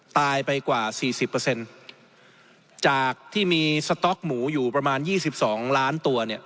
ตายไปกว่า๔๐จากที่มีสต๊อกหมูอยู่ประมาณ๒๒ล้านตัวเนี่ย